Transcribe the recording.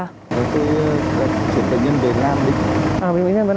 chúng tôi chuyển tài nhân về nam định